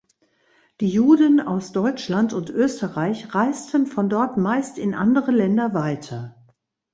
Die Juden aus Deutschland und Österreich reisten von dort meist in andere Länder weiter.